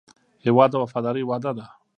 هېواد د وفادارۍ وعده ده.